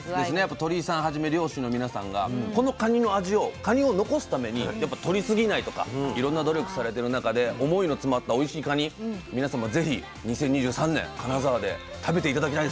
鳥井さんはじめ漁師の皆さんがこのかにの味をかにを残すためにとりすぎないとかいろんな努力されてる中で思いの詰まったおいしいかに皆さんもぜひ２０２３年金沢で食べて頂きたいですね。